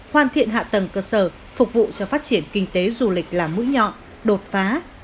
hoàn thiện hạ tầng cơ sở phục vụ cho phát triển kinh tế du lịch là mũi nhọn đột phá